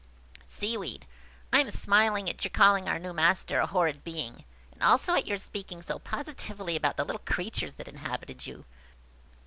Seaweed. "I am smiling at your calling our new master a horrid being, and also at your speaking so positively about the little creatures that inhabited you."